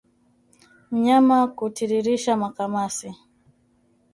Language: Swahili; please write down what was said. Mnyama kutiririsha makamasi